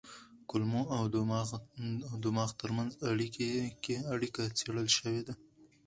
کولمو او دماغ ترمنځ اړیکه څېړل شوې ده.